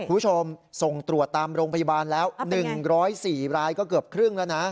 คุณผู้ชมส่งตรวจตามโรงพยาบาลแล้ว๑๐๔รายก็เกือบครึ่งแล้วนะ